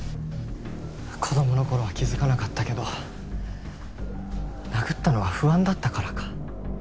子供の頃は気づかなかったけど殴ったのは不安だったからか。